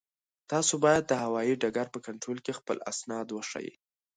تاسو باید د هوایي ډګر په کنټرول کې خپل اسناد وښایئ.